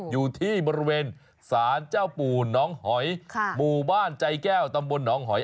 อยู่ที่บริเวณศาลเจ้าปู่น้องหอยหมู่บ้านใจแก้วตำบลหนองหอย